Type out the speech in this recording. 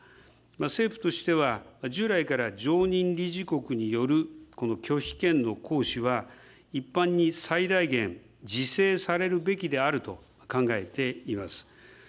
政府としては、従来から常任理事国による拒否権の行使は、一般に最大限自制されるべきであると考えています。